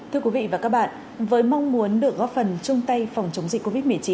thưa quý vị và các bạn với mong muốn được góp phần chung tay phòng chống dịch covid một mươi chín